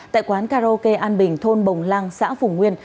tại quán karaoke an bình thôn bồng lăng xã phùng nguyên